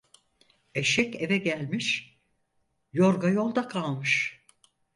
Eşek eve gelmiş, yorga yolda kalmış.